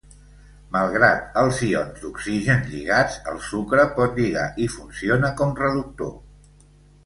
Malgrat els ions d'oxigen lligats, el sucre pot lligar i funciona com reductor.